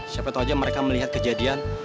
siapa tau aja mereka melihat kejadian